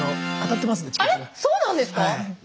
そうなんですか？